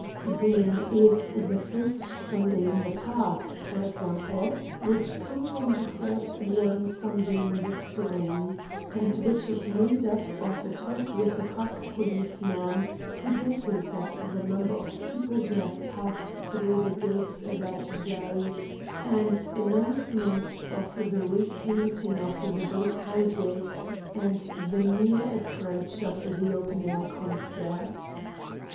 There is the "First Sunday in the Park," for example, which comes on the first warm Sunday in the spring, and which is made up of a talk with a park policeman who guesses at the number of people who have passed through the gates that day, and announcements of the re painting of the boat houses and the near approach of the open air concerts.